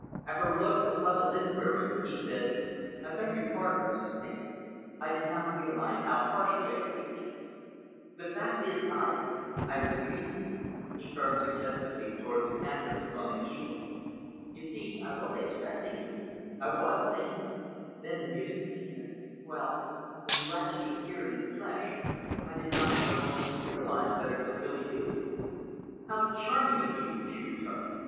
At her look of puzzled inquiry, he said, "I beg your pardon, Mrs. Taine. I did not realize how harshly I greeted you. The fact is I I was dreaming" he turned suggestively toward the canvas upon the easel. "You see I was expecting you I was thinking then the music came and well when you actually appeared in the flesh, I did not for the moment realize that it was really you." "How charming of you!" she returned.